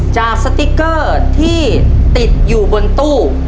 ข้างกลางสะพานที่ติดอยู่มันตู้